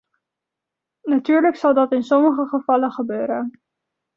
Natuurlijk zal dat in sommige gevallen gebeuren.